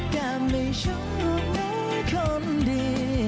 แก้มให้ช่วงหนูคนดี